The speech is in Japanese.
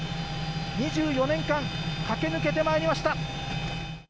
２４年間駆け抜けてまいりました。